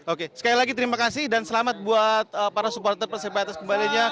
oke sekali lagi terima kasih dan selamat buat para supporter persebaya atas kembalinya